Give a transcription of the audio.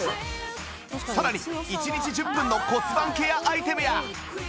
さらに１日１０分の骨盤ケアアイテムや